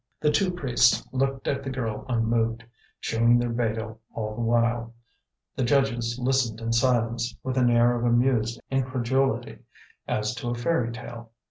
The two priests looked at the girl unmoved, chewing their betel all the while; the judges listened in silence, with an air of amused incredulity, as to a fairy tale.